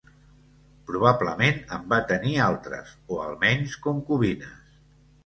Probablement en va tenir altres, o almenys concubines.